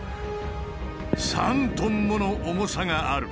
３トンもの重さがある。